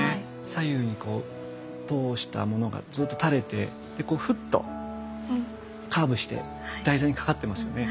左右に通したものがずっと垂れてふっとカーブして台座にかかってますよね。